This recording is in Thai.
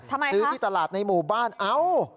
ซื้อที่ตลาดในหมู่บ้านเอ้า